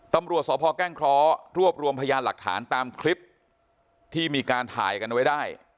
ตำรวจสพแก้งเคราะห์รวบรวมพยานหลักฐานตามคลิปที่มีการถ่ายกันไว้ได้